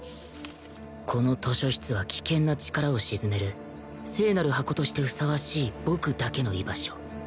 この図書室は危険な力を鎮める聖なる箱としてふさわしい僕だけの居場所